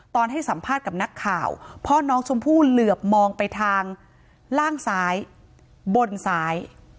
ให้สัมภาษณ์กับนักข่าวพ่อน้องชมพู่เหลือบมองไปทางล่างซ้ายบนซ้าย